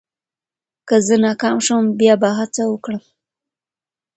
که زه ناکام شوم، بیا به هڅه وکړم.